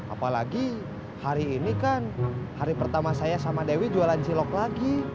apalagi hari ini kan hari pertama saya sama dewi jualan cilok lagi